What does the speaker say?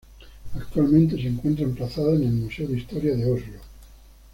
Actualmente se encuentra emplazada en el Museo de Historia de Oslo.